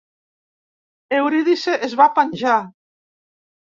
Eurídice es va penjar.